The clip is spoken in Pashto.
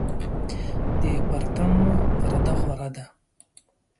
د پرتم پرده خوره ده